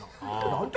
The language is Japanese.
何て。